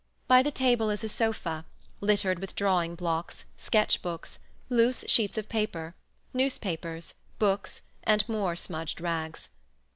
By the table is a sofa, littered with drawing blocks, sketch books, loose sheets of paper, newspapers, books, and more smudged rags.